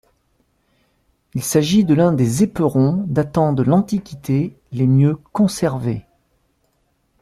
Il s'agit de l'un des éperons datant de l'Antiquité les mieux conservés.